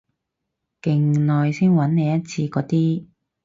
勁耐先搵你一次嗰啲